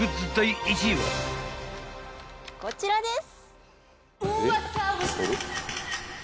こちらです。